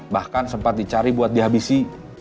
bahkan sempat dicari buat dihabisi